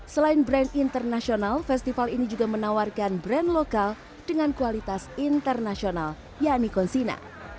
selain brand internasional festival ini juga menawarkan brand lokal dengan kualitas internasional yakni konsina